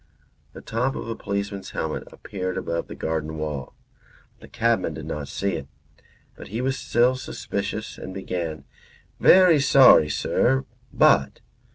The top of a policeman's helmet appeared above the garden wall. The cabman did not see it, but he was still suspicious and began: "Very sorry, sir, but..."